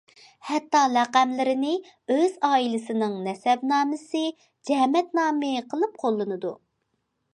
ھەتتا لەقەملىرىنى ئۆز ئائىلىسىنىڭ نەسەبنامىسى، جەمەت نامى قىلىپ قوللىنىدۇ.